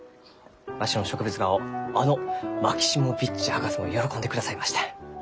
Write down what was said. わしの植物画をあのマキシモヴィッチ博士も喜んでくださいました。